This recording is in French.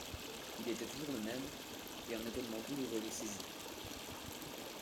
Il était toujours le même ; et un étonnement douloureux le saisit.